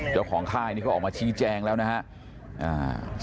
เจ้าของค่ายนี่ก็ออกมาชี้แจงแล้วนะครับ